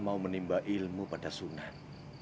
mau menimba ilmu pada sunan